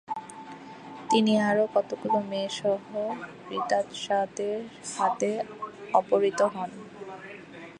তিনি আরও কতোগুলো মেয়েসহ হিদাৎসাদের হাতে অপহৃত হন।